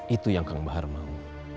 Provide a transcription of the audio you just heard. itu yang kang bahar mau